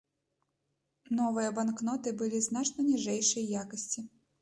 Новыя банкноты былі значна ніжэйшай якасці.